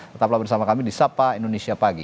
tetaplah bersama kami di sapa indonesia pagi